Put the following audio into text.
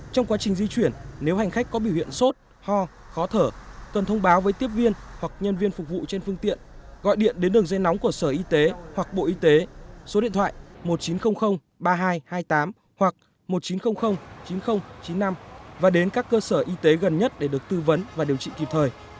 trong quá trình di chuyển nếu hành khách có biểu hiện sốt ho khó thở cần thông báo với tiếp viên hoặc nhân viên phục vụ trên phương tiện gọi điện đến đường dây nóng của sở y tế hoặc bộ y tế số điện thoại một chín không không ba hai hai tám hoặc một chín không không chín không chín năm và đến các cơ sở y tế gần nhất để được tư vấn và điều trị kịp thời